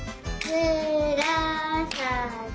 むらさき。